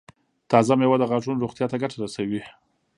تازه مېوه د غاښونو روغتیا ته ګټه رسوي.